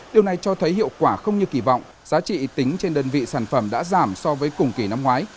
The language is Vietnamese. điều này cho thấy hiệu quả không như kỳ vọng giá trị tính trên đơn vị sản phẩm đã giảm so với cùng kỳ năm ngoái